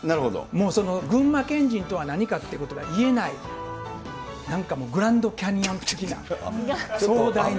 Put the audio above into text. もうその、群馬県人とは何かってことが言えない、なんかもうグランドキャニオン的な、壮大な。